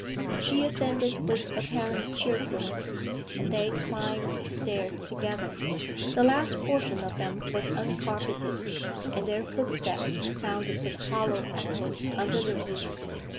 She assented with apparent cheerfulness, and they climbed the stairs together. The last portion of them was uncarpeted, and their footsteps sounded with hollow echoes under the roof.